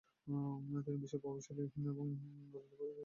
তিনি বিশেষ প্রভাবশালী ইংরেজি সংবাদপত্র দ্য লিডারের প্রতিষ্ঠাতা।